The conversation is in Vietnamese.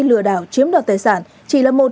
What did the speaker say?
lừa đảo chiếm đoạt tài sản chỉ là một